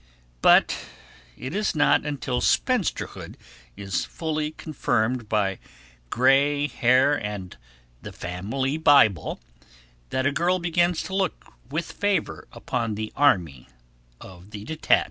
But it is not until spinsterhood is fully confirmed by grey hair and the family Bible that a girl begins to look with favour upon the army of the detached.